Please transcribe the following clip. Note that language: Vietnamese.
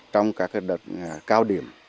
trong các đợt cao điểm